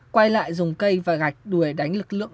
quay lại dùng cây và gạch đuổi đánh lực lượng